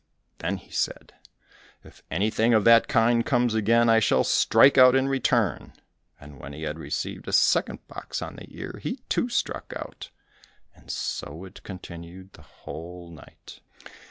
Then he said, "If anything of that kind comes again, I shall strike out in return." And when he had received a second box on the ear, he, too struck out. And so it continued the whole night.